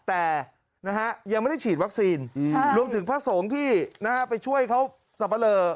แต่ยังไม่ได้ฉีดวัคซีนรวมถึงพระสงฆ์ที่ไปช่วยเขาสับปะเลอ